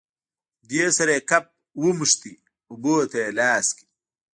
دې سره یې کپ ونښت، اوبو ته یې لاس کړ.